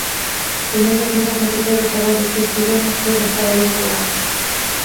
Poñendo as miras no terceiro traballo que, esperemos, poida estar ao longo do ano.